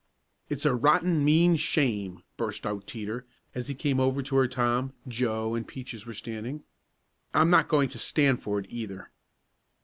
"It's a rotten, mean shame!" burst out Teeter as he came over to where Tom, Joe and Peaches were standing. "I'm not going to stand for it, either!"